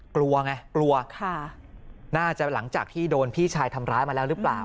กลัวไงกลัวน่าจะหลังจากที่โดนพี่ชายทำร้ายมาแล้วหรือเปล่า